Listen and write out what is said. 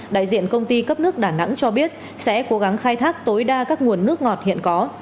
đại diện công ty cấp nước đà nẵng cho biết sẽ cố gắng khai thác tối đa các nguồn nước ngọt hiện có